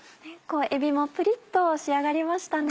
えびもプリっと仕上がりましたね。